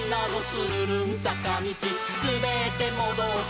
つるるんさかみち」「すべってもどって」